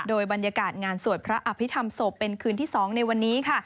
โดยบรรยากาศงานสวดพระอภิษฐรรมศพเป็นคืนที่๒ในวันนี้ค่ะ